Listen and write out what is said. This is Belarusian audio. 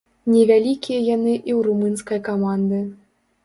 Невялікія яны і ў румынскай каманды.